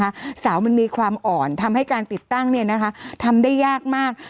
เสามันมีความอ่อนทำให้การติดตั้งเนี่ยนะคะทำได้ยากมาก